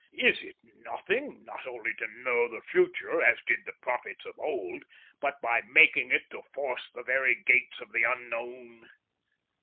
Is it nothing not only to know the future, as did the prophets of old, but by making it to force the very gates of the unknown?"